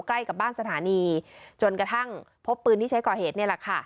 ใกล้กับบ้านสถานีจนกระทั่งพบปืนที่ใช้ก่อเหตุนี่แหละค่ะ